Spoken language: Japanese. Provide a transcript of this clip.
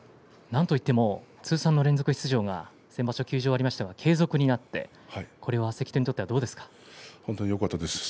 何といっても通算の連続出場が先場所休場がありましたが継続になってこれは関取にとってはどうですか。